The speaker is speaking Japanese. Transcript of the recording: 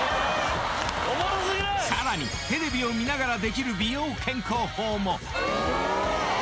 更に、テレビを見ながらできる美容健康法も。